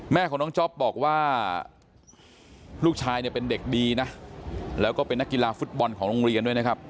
แม่ของน้องจ๊อปบอกว่าลูกชายเนี่ยเป็นเด็กดีนะแล้วก็เป็นนักกีฬาฟุตบอลของโรงเรียนด้วยนะครับ